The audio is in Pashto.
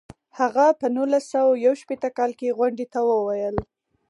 هغه په نولس سوه یو شپیته کال کې غونډې ته وویل.